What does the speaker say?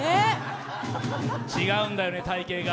違うんだよね、体型が。